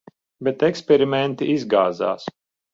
Bet eksperimenti izgāzās.